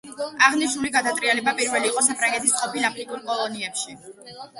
აღნიშნული გადატრიალება პირველი იყო საფრანგეთის ყოფილ აფრიკულ კოლონიებში.